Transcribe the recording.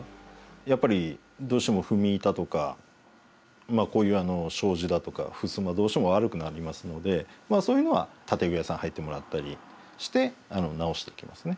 やっぱりどうしても踏み板とかこういう障子だとかふすまどうしても悪くなりますのでまあそういうのは建具屋さん入ってもらったりして直していきますね。